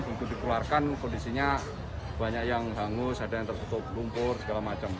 itu dikeluarkan kondisinya banyak yang hangus ada yang tertutup lumpur segala macam